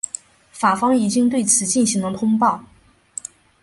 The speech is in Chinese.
法方已经对此进行了通报。